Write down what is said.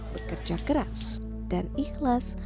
bekerja keras dan ikhlas